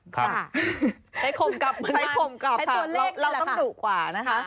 ใช้ขมกลับให้ตัวเลขนี่แหละเราต้องดุกว่านะคะ